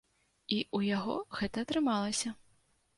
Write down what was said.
І ў яго гэта атрымалася.